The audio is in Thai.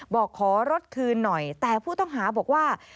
บอกขอรถคืนหน่อยแต่ผู้ต้องหาบอกว่า